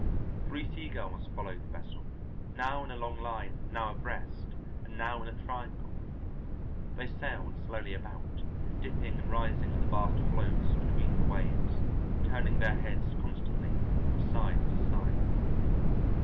Three seagulls followed the vessel, now in a long line, now abreast, and now in a triangle. They sailed slowly about, dipping and rising in the vast hollows between the waves, turning their heads constantly from side to side.